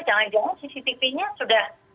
jangan jangan cctv nya sudah